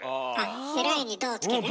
「えらい」に「ど」をつけてね。